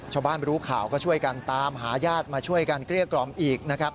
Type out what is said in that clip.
ชาวบ้านรู้ข่าวก็ช่วยกันตามหาญาติมาช่วยกันเกลี้ยกล่อมอีกนะครับ